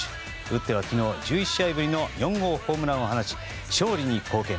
打っては昨日１１試合ぶりの４号ホームランを放ち勝利に貢献。